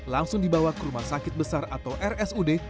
langsung dibawa ke rumah sakit besar atau rsud